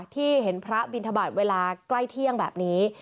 ที่เห็นพระบินทบาทเวลาใกล้เที่ยงแบบนี้